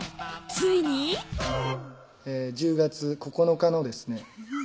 ついに１０月９日のですね